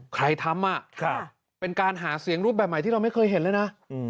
ใครทำเป็นการหาเสียงรูปแบบใหม่ที่เราไม่เคยเห็นเลยนะ